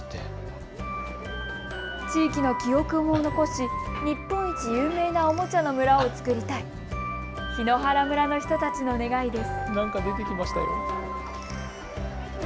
地域の記憶を残し、日本一有名なおもちゃの村を作りたい、檜原村の人たちの願いです。